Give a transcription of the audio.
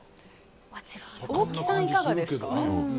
大木さん、いかがですか？